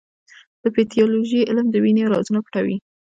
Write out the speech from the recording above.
د پیتالوژي علم د وینې رازونه پټوي.